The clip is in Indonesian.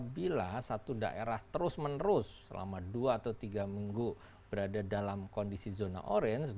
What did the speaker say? bila satu daerah terus menerus selama dua atau tiga minggu berada dalam kondisi zona orange